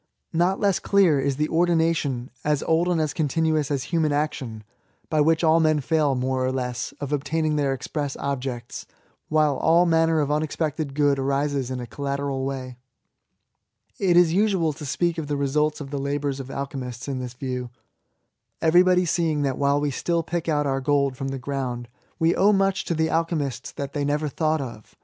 Not less clear is the ordination^ as old and as continuous as human action^ by which men fail> more or less, of obtaining their express objects, while all manner of unexpected good arises in a collateral way. It is usual to speak of the resultsK of the labours of alchemists in thiB view, everybody seeing that while we still pick out our gold from the ground, we owe much to the alchemists that they never thought of.